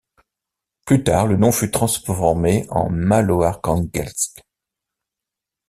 Plus tard, le nom fut transformé en Maloarkhanguelsk.